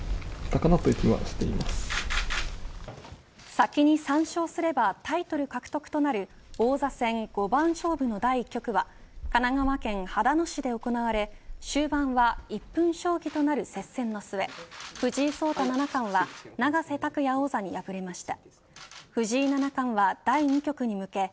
先に３勝すればタイトル獲得となる王座戦五番勝負の第１局は神奈川県秦野市で行われ終盤は１分将棋となる接戦の末藤井聡太七冠は永瀬拓矢王座に敗れました。